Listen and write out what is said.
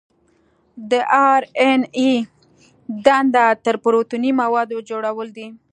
د آر این اې دنده د پروتیني موادو جوړول دي.